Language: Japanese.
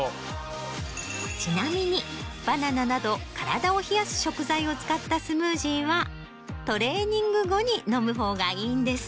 ちなみにバナナなど体を冷やす食材を使ったスムージーはトレーニング後に飲むほうがいいんです。